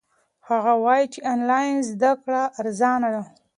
هغه وایي چې آنلاین زده کړه ارزانه ده.